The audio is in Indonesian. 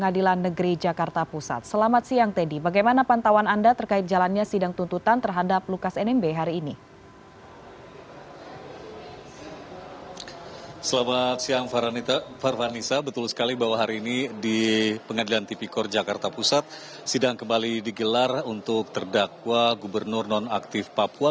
di jakarta pusat sidang kembali digelar untuk terdakwa gubernur nonaktif papua